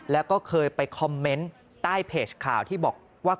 แล้วก็เคยไปคอมเมนต์ใต้เพจข่าวที่บอกว่า